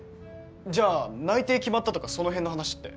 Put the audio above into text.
じゃあ内定決まったとかその辺の話って。